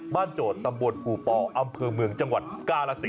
บ้านโจทย์ตำบวนผู้ป่ออำเภอเมืองจังหวัดก้าละศิลป์